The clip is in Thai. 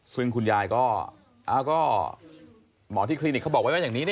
ซึ่งคุณยายก็หมอที่คลินิกเขาบอกไว้ว่าอย่างนี้